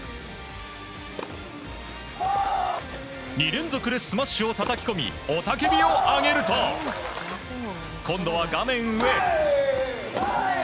２連続でスマッシュをたたき込み雄たけびを上げると今度は画面上。